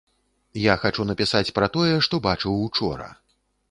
Я хачу напісаць пра тое, што бачыў учора.